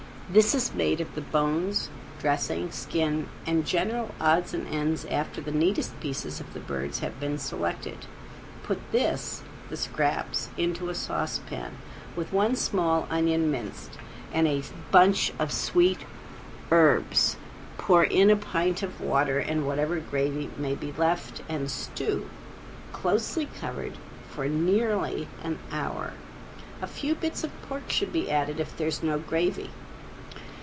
This is made of the bones, dressing, skin, and general odds and ends after the neatest pieces of the birds have been selected. Put this (the scraps) into a saucepan, with one small onion minced, and a bunch of sweet herbs, pour in a pint of water and whatever gravy may be left, and stew, closely covered, for nearly an hour. A few bits of pork should be added if there is no gravy.